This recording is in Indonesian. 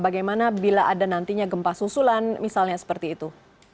bagaimana bila ada nantinya gempa susulan misalnya seperti itu